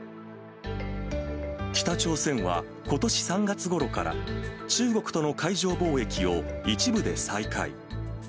北朝鮮はことし３月ごろから、中国との海上貿易を一部で再開。